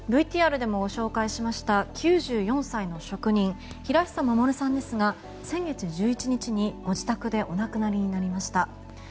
ＶＴＲでもご紹介しました９４歳の職人平久守さんですが先月１１日にご自宅でお亡くなりになりました。